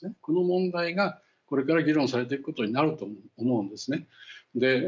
この問題がこれから議論されていくことになると思うんですね。